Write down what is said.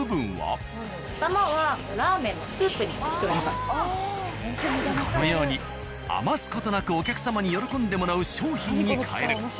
そしてこのように余す事なくお客様に喜んでもらう商品に変える。